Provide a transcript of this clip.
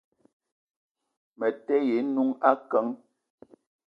Me te ye n'noung akeng.